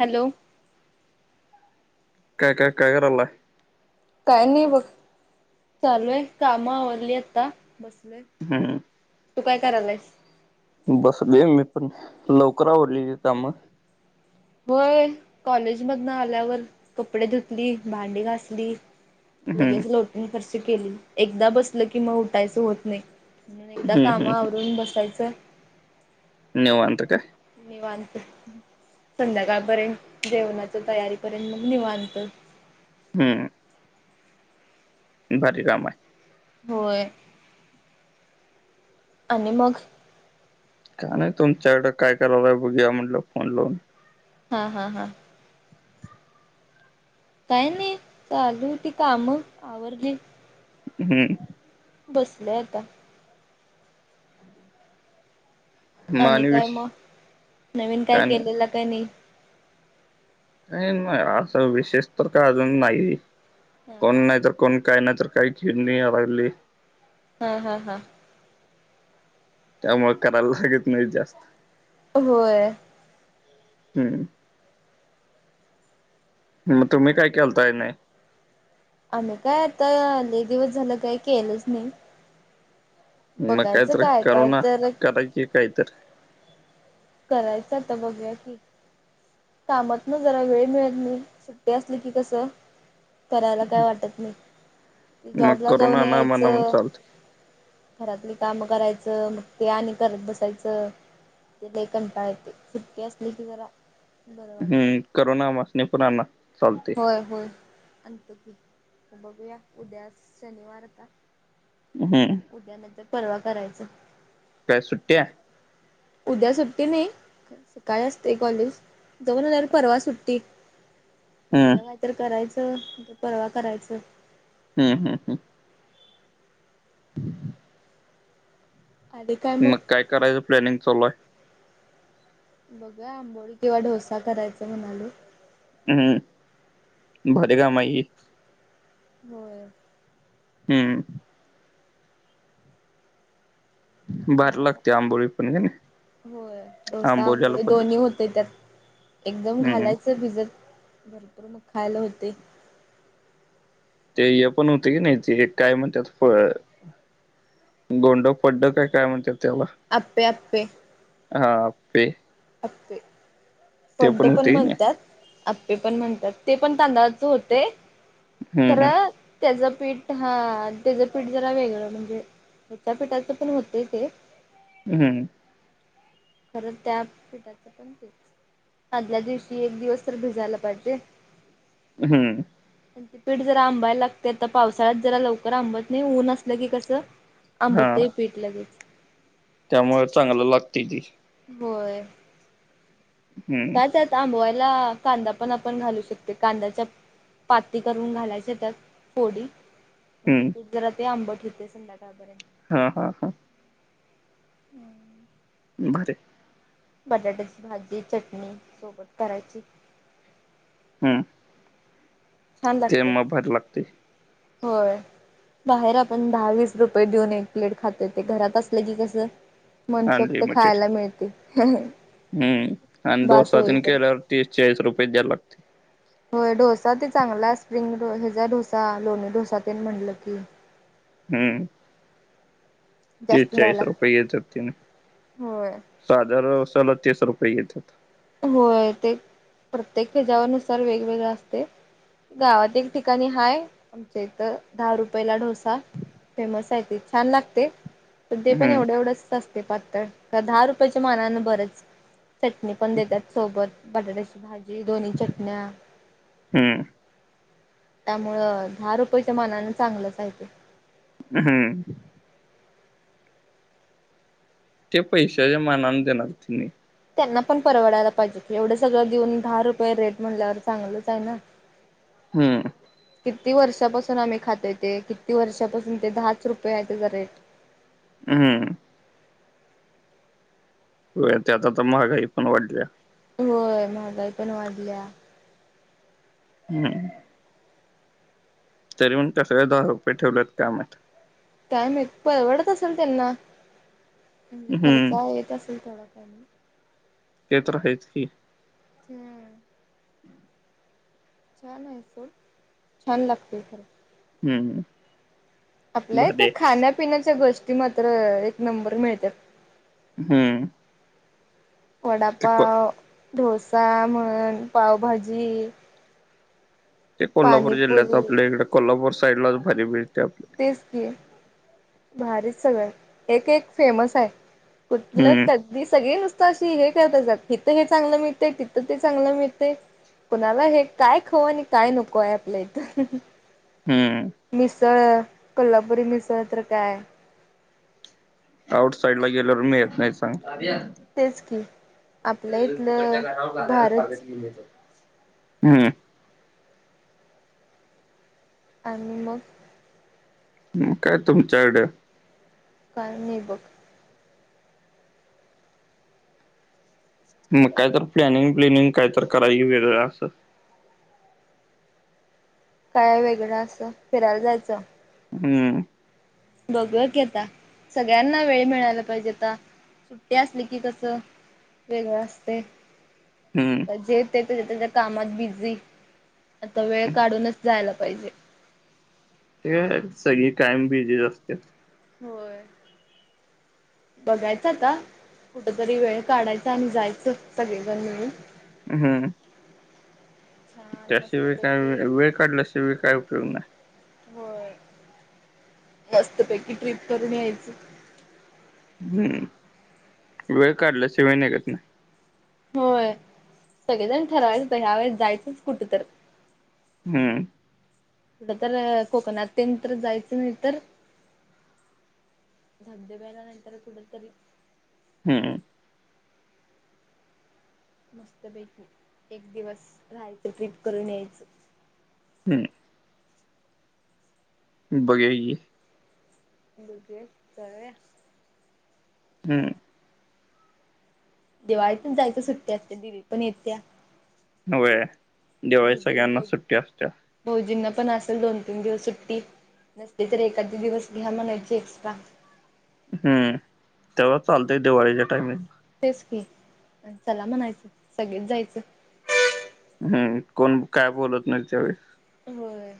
Hello. काय काय काय कराला? काय नाही बघ चालूय काम आवरली आता बसलय. हम्म. तू काय करालायस? बसलोय मी पण, लवकर आवरली की काम. होय, कॉलेज मधन आल्यावर कपडे धुतली भांडी घासली. हम्म लगेच लोटून फरशी केली, एकदा बसल की मग उठायच होत नाही. म्हणून एकदा कामा आवरून बसायचं. निवांत काय? निवांत. संध्याकाळपर्यंत जेवणाच तयारीपर्यंत मग निवांत. हम्म. बाकी का आहे. [unintelligible] होय. आणि मग का नाही तुमच्याकडे काय करायला बघूया म्हटलं फोन लावून. हा हा हा काय नाही चालू होती कामं आवरली. हम्म बसले आता मग आणि काय विष मग नवीन काय केलेलं काय? नाही काही नाही असं विशेष तर का अजून नाही हा पण हा. नाही तर कोण काय नाहीतर काही घेऊन नाही आवरली हा हा हा त्यामुळ करायला लागत नाही जास्त. होय हम्म मग तुम्ही काय केलताय नाही आम्ही काय आता लई दिवस झालं काय केलंच नाही. मग काय बघायचं तरी काय करुणा तर करायची काय तरी करायचं आता बघूया की, कामात न. जरा वेळ मिळत नाही सुट्टी असली की कसं? करायला काय वाटत नाही मग जॉबला करून जाऊन आणा म्हणा म्हणून यायचं. चालत. घरातली काम करायचं मग ते आणि करत बसायचं. लई कंटाळ येतय सुट्टी असली की जरा. बरं वाटते. हम्म करून आम्हासनी पण आता चालतय. हा होय आणतो की, बघूया उद्या शनिवार आता. हम्म उद्यानंतर परवा करायचं काय आज सुट्टी आहे. उद्या सुट्टी नाही सकाळी असतय कॉलेज जाऊन आल्यावर परवा सुट्टी. हम्म उद्या कायतर करायचं नाही तर परवा करायचं. हम्म हम्म हम्म मग काय करायचं प्लॅनिंग चालूय बघूया आंबोळी किंवा डोसा करायच म्हणालोय हम्म भारी काम आहे हे होय हम्म भारी लागते आंबोळी पण की नाही होय डोसा, आंबोलीला आंबोळी पद्धत दोन्ही होत. ते त्यात एकदम हम्म घालायचं भिजत भरपूर मग खायला होतय ते ये पण होते की नाही ते काय म्हणतात फ गोंड, फड्ड काय काय म्हणतात त्याला. आप्पे, आप्पे.. हा आप्पे आपे फड्ड पण होते की नाही म्हणत्यात. आप्पे पण म्हणतात ते पण तांदळाच होतय हम्म खरं. त्याचं पीठ हा त्याचं पीठ जरा वेगळं म्हणजे त्याच्या पीठाचं पण होत ते हम्म खरं त्या पिठाच पण ते आदल्या दिवशी एक दिवस तर भिजायला पाहिजे. हम्म पीठ जरा आंबायला लागतय. पावसाळ्यात जरा लवकर आंबत नाही ऊन असलं की कसं हा आंबतय पीठ लगेच त्यामुळे चांगलं लागतय ते. होय.. हम्म काय त्यात आंबवायला कांदा पण आपण घालू शकते कांदायाच्या पाती करून घालायचे त्यात फोडी. म्हणजे हम्म [unintelligible] जरा ते आंबट होतय संध्याकाळपर्यंत. हा हा हा... हम्म बर बटाट्याची भाजी चटणी सोबत करायची हम छान लागत्या भारी लागते होय. बाहेर आपण दहा, वीस रुपये देऊन एक प्लेट खातोय ते घरात असलं की कसं? मनसोक्त खायला मिळते. हम् आणि बास डोसा होई तेन तर केल्यावर तीस, चाळीस रुपये द्यायला लागते. होय डोसा ते चांगला स्प्रिंग हेचा डोसा, लोणी डोसा तेन म्हटलं की, हम्म तीस, जास्त चाळीस द्यायला रुपये येत होते ना होय साध्या डोसाला तीस रुपये येत होते. होय ते प्रत्येक हेच्या नुसार वेगवेगळ असते. गावात एक ठिकाणी हाय आमच्या इथं दहा रुपयेला ढोसा. फेमस आहे ती छान लागते. तर ते पण हम्म एवढं एवढंच असते पातळ दहा रुपयाच्या मानानं बरंच पण देतात सोबत बटाट्याची भाजी, दोन्ही चटण्या. हम्म त्यामुळं दहा रुपयेच्या मानान चांगलंच हाय ते हम्म ते पैशाच्या मानान देणार त्यांनी त्यांना पण परवडायला पाहिजे एवढं सगळं देऊन दहा रुपये रेट म्हणल्यावर चांगलंच आहे ना. हम्म किती वर्षापासून आम्ही खातोय. ते किती वर्षापासून ते दहाच रुपये आहे त्याचा रेट. हम्म हो त्यात आता महागाई पण वाढल्या. होय महागाई पण वाढल्या. हम्म तरी पण कसं दहा रूपये ठेवलंत काय माहीत? काय माहीत परवडत असेल त्यांना म्हणजे हम्म खर्चा येत असेल थोडा कमी. ते तर आहेच की ते छान आहे ते छान लागते खर. हम् ह आपल्या इथं खाण्यापिण्याच्या गोष्टी मात्र एक नंबर मिळत्यात हम्म ते को वडापाव, डोसा म्हण, पावभाजी ते कोल्हापूर जिल्ह्यात पाणीपुरी आपल्या इकडे कोल्हापूर साईड लाच भजी मिळते आप तेच की भारीच सगळं एक, एक फेमस आहे. कु [unintelligible] हम्म तर ही सगळी नुसत अशी हे करत जात हिथं हे चांगलं मिळतय तिथं ते चांगलं मिळतय. कुणाला हे काय खाऊ आणि काय नको आहे आपल्या इथं. हम्म मिसळ, कोल्हापुरी मिसळ तर काय? आउट साईड ला गेल्यावर मी येत नाही सांग. तेच की, ते आपल्या अ तिकडच्या इथलं घरावर घालायला कागद भारच घेवून येतो हम्म. आणि मग मग काय तुमच्याकडं. काय नाई बघ. मग काय तर प्लॅनिंग ब्लिनिंग काय तर कराव कि वेगळं असं. काय वेगळं असं फिरायला जायचं. हम्म. बघूया की आता सगळ्यांना वेळ मिळायला पाहिजे आता. सुट्टी असली की कसं वेगळं असतयं. हम्म. जे ते त्याच्या त्याज्या कामात बिझी आता वेळ काढूनच जायला पाहिजे. हे अ सगळी कायम बिजीच असत्यात. होय. बघायचं आता कुठतरी वेळ काढायचा आणि जायचं सगळीजण मिळून. हम्म. छान त्याशिवाय काय मस्तपैकी वे वेळ काढल्याशिवाय काय उपयोग नाही. होय मस्तपैकी ट्रिप करून यायचं. हम्म वेळ काढल्या शिवाय निघत नाय. होय सगळीजण ठरवायचं आता ह्यावेळेस जायचंच कुठं तर. हम्म. कुठं तर कोकणात तेन तर जायचं नाही तर धबधब्याला नाही तर कुठ तरी हम्म. मस्तपैकी एक दिवस राहायचं ट्रीप करून यायचं. हम्म. बघूया कि. बघूयात जावूया. हम्म. दिवाळीतचं जायचं सुट्टी असतिया दिदी पण येतिया. व्हय दिवाळीत भाऊजी भाऊ सगळ्यांनांच सुट्टी असतिया. भाऊजींना पण असल दोन तीन दिवस सुट्टी. नसली तर एखादी दिवस घ्या म्हणायची एक्स्ट्रा. हम्म तेव्हा चालतंय दिवाळीच्या टाइमिंगला. तेच की आन चला म्हणायचं सगळीच जायचं. हम्म कोण काय बोलत नाहीत जावूया. होय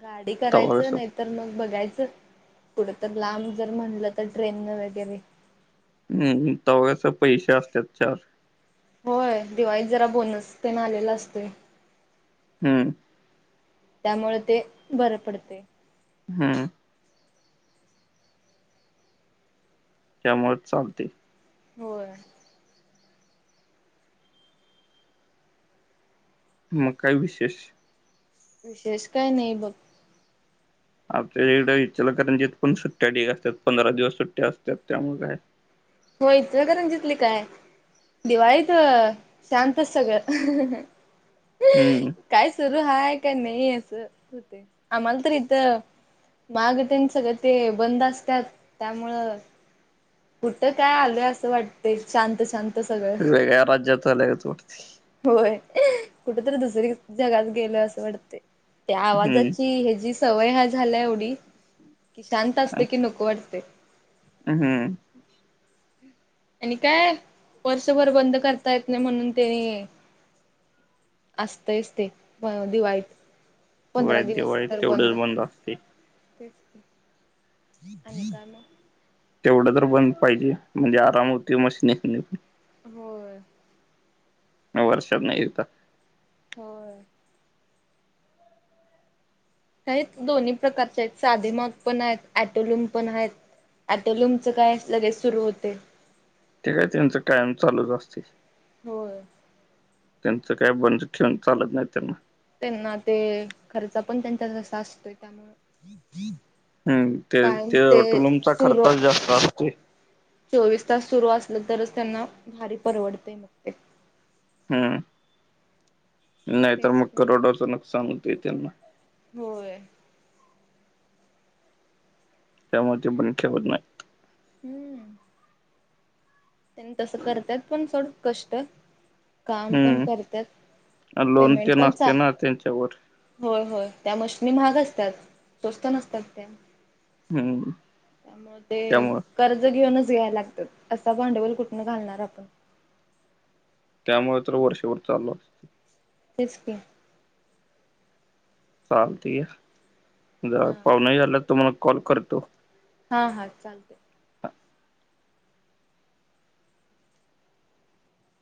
गाडी तवास करायचं नाही तर मग बघायचं कुढं तर लांब जर म्हणलं तर ट्रेननं वगैरे हम्म तवा कस पैसे असत्यात चार. होय दिवाळीत जरा बोनस तेन आलेला असतोय. हम्म. त्यामुळं ते बरं पडतयं. हम्म. त्यामुळे चालतयं. होय. मग काय विशेष? विशेष काही नाही बघ. आमच्या हिकडं इचलकरंजीत पण सुट्ट्या ढिग असत्यात पंधरा दिवस सुट्ट्या असत्यात त्यामुळं काय. होय इचलकरंजीतली काय. दिवाळीत शांतचं सगळं अ हं हं हं. हम्म. काय सुरू हाय काय नाही असं, होते आम्हाला तर इथं. माग तेन सगळं ते बंद असत्यात त्यामुळं. कुठं काय आलय, असं वाटते शांत शांत. सगळं वेगळ्या राज्यात आल्या गत वाटते. होय, कुठ तरी दुसरी जगात गेल असं वाटते. त्या आवाजाची हम्म हे जी सवय हा झाल्या एवढी, कि शांत असते की नको वाटते. अ हम्म. आणि काय वर्षभर बंद करता येत, नाही म्हणून तेनी. असतंय च ते दिवाळीत. व पंधरा दिवस दिवाळीत तर बंद तेवढंच असते तेच की. आणि काय मग तेवढं तर बंद पाहिजे म्हणजे, आराम होतंय मशनिशनी. होय या वर्षात नाही येता. होय. हायत दोन्ही प्रकारचे आहेत, साधे माग पण आहेत. अॅटोलूम पण आहेत. अॅटोलुमचं काय लगेच सुरू होते. ते काय त्यांचं कायम चालूच असते. होय. त्यांचं काय बंद ठेवून चालत नाही त्यांना. त्यांना ते खर्चा पण त्यांचा जसा असतोय त्यामुळे. हम्म, ते अॅटलूमचा सुरू खर्चाचं जास्त असतोय. चोवीस तास सुरू असलं तरच, त्यांना भारी परवडतेय मग ते. हम्म, नाही तर तेच मग की. करोडचं नुकसान होतंय त्यांना. होय. ‌ त्यामुळे ते पण खेवत नाही. हम्म. त्यांनी तसं करत्यात पण सोड कष्ट. काम पण हम्म करत्यात लोन पेमेंट ते पण नसते चा- ना त्यांच्यावर होय होय, त्या मशनी महाग असत्यात स्वस्त नसत्यात त्या. हम्म. ‌ त्यामुळे ते कर्ज घेऊनच घ्यायला लागतात. असा भांडवल कुठूनं घालणार आपण. त्यामुळे तर वर्षभर चालू असतय. तेच की. चालतंय जरा हा पावन यालात तुम्हाला कॉल करतो. हा हा चालते.